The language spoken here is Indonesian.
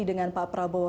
dengan pak prabowo